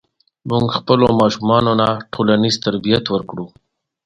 ملک صاحب د خلکو د بدو کړنو له امله پاتې راغی.